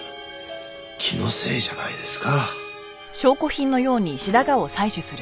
気のせいじゃないですか？